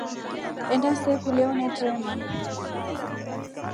Enda se kulya unetrema.